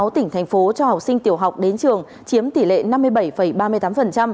sáu tỉnh thành phố cho học sinh tiểu học đến trường chiếm tỷ lệ năm mươi bảy ba mươi tám